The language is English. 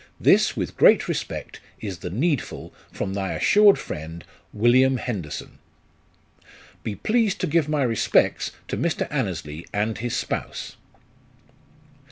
This, with great respect, is the needful, from thy assured Friend, ""WILLIAM " Be pleased to give my respects to Mr. Annesley and his spouse."